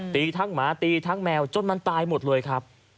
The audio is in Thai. ตีทั้งหมาตีทั้งแมวจนมันตายหมดเลยครับ